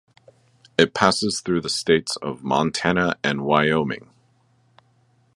It passes through the states of Montana and Wyoming.